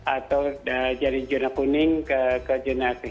atau dari zona kuning ke zona kecil